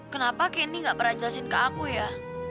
kenapa kendi gak pernah jelasin ke aku ya